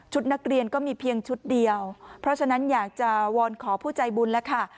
นักเรียนก็มีเพียงชุดเดียวเพราะฉะนั้นอยากจะวอนขอผู้ใจบุญแล้วค่ะ